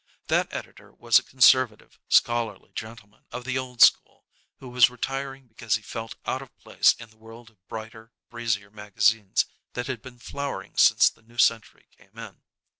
That editor was a conservative, scholarly gentleman of the old school, who was retiring because he felt out of place in the world of brighter, breezier magazines that had been flowering since the new century came in.